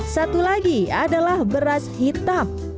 satu lagi adalah beras hitam